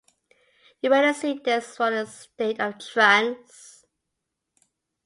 You'd better see this one in a state of trance.